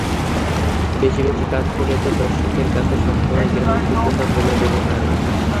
বেশি বেশি কাজ করলে তো দর্শকদের কাছে একসময় গ্রহণযোগ্যতা কমে যেতে পারে।